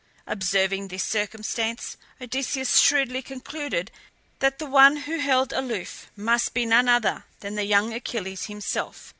Observing this circumstance Odysseus shrewdly concluded that the one who held aloof must be none other than the young Achilles himself.